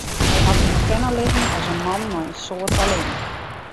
Hy hat him kenne litten as in man mei in soad talint.